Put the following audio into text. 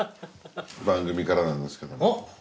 番組からなんですけども。